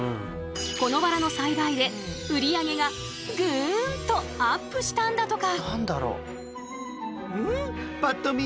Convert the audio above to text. このバラの栽培で売り上げがグンとアップしたんだとか。